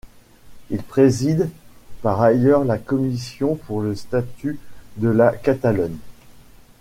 Il préside par ailleurs la Commission pour le Statut de la Catalogne.